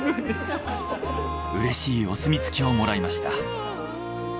うれしいお墨付きをもらいました。